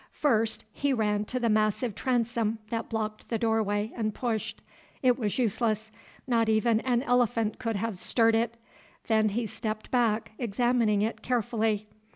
First he ran to the massive transom that blocked the doorway and pushed. It was useless; not even an elephant could have stirred it. Then he stepped back, examining it carefully.